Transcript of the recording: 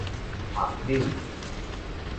後紐